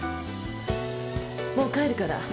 もう帰るから。